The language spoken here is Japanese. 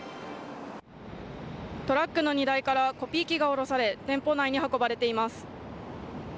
トラックの荷台からコピー機が降ろされ店舗内に運ばれています。